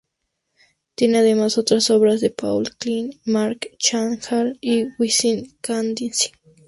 Tiene además otras obras de Paul Klee, Marc Chagall y Wassily Kandinsky